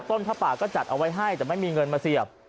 ผ้าป่าก็จัดเอาไว้ให้แต่ไม่มีเงินมาเสียบ